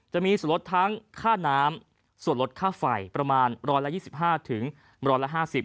จะมีส่วนลดทั้งค่าน้ำส่วนลดค่าไฟประมาณ๑๒๕ถึง๑๕๐